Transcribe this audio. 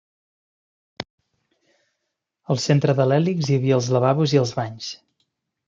Al centre de l'hèlix hi havia els lavabos i els banys.